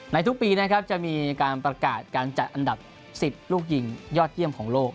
ทุกปีนะครับจะมีการประกาศการจัดอันดับ๑๐ลูกยิงยอดเยี่ยมของโลก